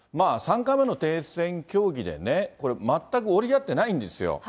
３回目の停戦協議で、全く折り合ってないんですよ。